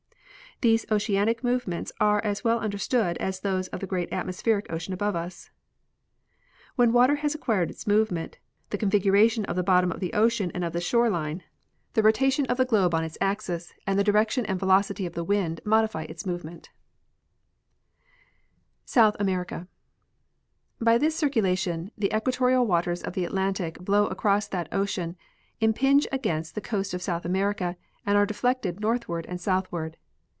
These oceanic movements are as well understood as those of the great atmos pheric ocean above us. When water has acquired its movement, the configuration of the bottom of the ocean and of the shore line, the rotation of the 16— Nat. Geog. Mag., vol. V, 1893. 114 G. G. Hubbard — Air and Water, Temperature and Life. globe on its axis, and the direction and velocity of the wind modify its movement. South America. By this circulation the equatorial waters of the Atlantic blow across that ocean, impinge against the coast of South America, and are deflected northward and southward.